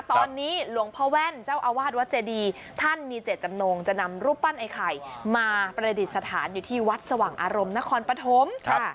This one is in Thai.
ตอนนี้หลวงพ่อแว่นเจ้าอาวาสวัดเจดีท่านมีเจตจำนงจะนำรูปปั้นไอ้ไข่มาประดิษฐานอยู่ที่วัดสว่างอารมณ์นครปฐม